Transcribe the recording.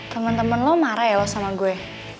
temen temen lo marah ya lo sama gue